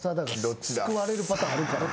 救われるパターンあるかな？